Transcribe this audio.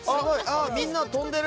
みんな飛んでる！